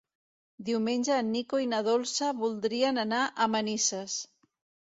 Diumenge en Nico i na Dolça voldrien anar a Manises.